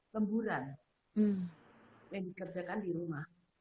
lemburan yang dikerjakan di rumah